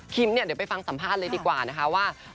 เดี๋ยวไปฟังสัมภาษณ์เลยดีกว่านะคะว่า